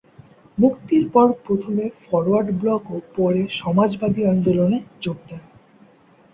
মুক্তির পর প্রথমে ফরওয়ার্ড ব্লক ও পরে সমাজবাদী আন্দোলনে যোগ দেন।